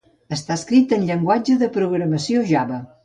Està escrit en llenguatge de programació Java.